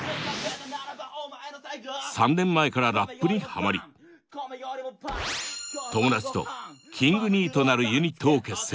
３年前からラップにはまり友達とＫｉｎｇＮｅｅｔなるユニットを結成。